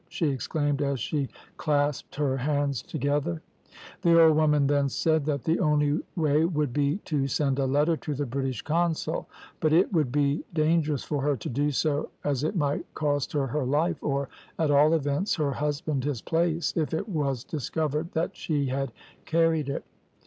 she exclaimed, as she clasped her hands together. "The old woman then said that the only way would be to send a letter to the British consul, but it would be dangerous for her to do so as it might cost her her life, or at all events her husband his place, if it was discovered that she had carried it.